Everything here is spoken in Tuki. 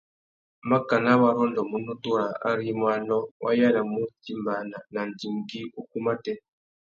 Makana wa rôndômú nutu râā ari i mú anô, wa yānamú utimbāna na andigüî ukú matê.